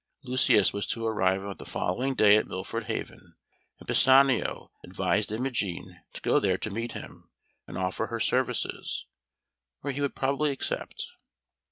Lucius was to arrive on the following day at Milford Haven, and Pisanio advised Imogen to go there to meet him, and offer her services, which he would probably accept.